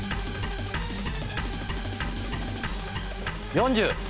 ４０。